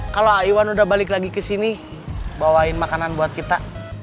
kalau aiwan udah balik lagi kesini bawain makanan buat kita